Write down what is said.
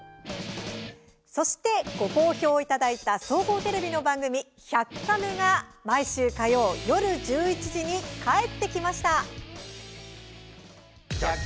そして、ご好評をいただいた総合テレビの番組「１００カメ」が毎週火曜夜１１時に帰ってきました。